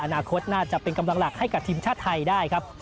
อนาคตน่าจะเป็นกำลังหลักให้กับทีมชาติไทยได้ครับ